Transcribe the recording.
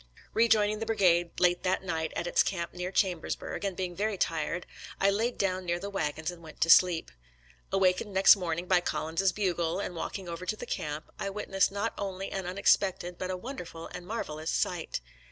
»Eejoining the brigade late that night at its camp near Chambersburg, and being very tired, I laid down near the wagons and went to sleep. Awakened next morning by Collins's bugle, and walking over to the camp, I witnessed not only an unexpected but a wonderful and marvelous sight.